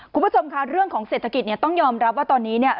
คุณผู้ชมค่ะเรื่องของเศรษฐกิจเนี่ยต้องยอมรับว่าตอนนี้เนี่ย